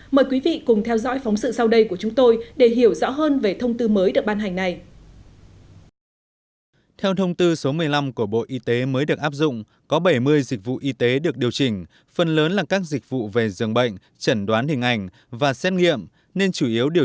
mời quý vị cùng theo dõi phóng sự sau đây của chúng tôi để hiểu rõ hơn về thông tư mới được ban hành này